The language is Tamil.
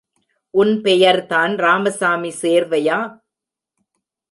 உன் பெயர்தான் ராமசாமி சேர்வையா?